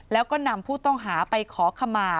แล้วก็นำผู้ต้องหาไปขอขมา